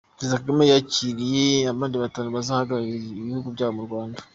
Perezida Kagame yakiriye abandi batanu bazahagararira ibihugu byabo mu Rwanda